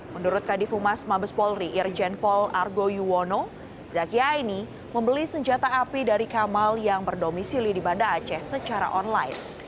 menurut kadifumas mabes polri irjen pol argo yuwono zaki aini membeli senjata api dari kamal yang berdomisili di banda aceh secara online